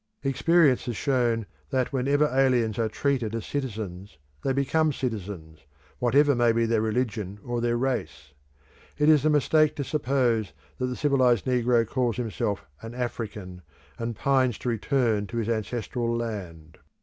Experience has shown that, whenever aliens are treated as citizens, they become citizens, whatever may be their religion or their race, It is a mistake to suppose that the civilised negro calls himself an African, and pines to return to his ancestral land.